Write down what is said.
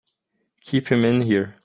Keep him in here!